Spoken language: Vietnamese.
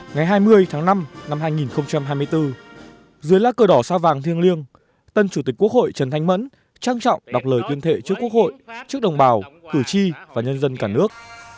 ngày hai mươi tháng năm năm hai nghìn hai mươi bốn dưới lá cờ đỏ sao vàng thiêng liêng tân chủ tịch quốc hội trần thanh mẫn trang trọng đọc lời tuyên thệ trước quốc hội trước đồng bào cử tri và nhân dân cả nước